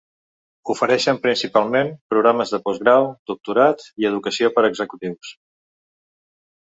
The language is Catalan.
Ofereixen principalment programes de postgrau, doctorat i educació per a executius.